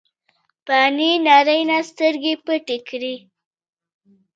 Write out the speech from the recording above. د فانې نړۍ نه سترګې پټې کړې ۔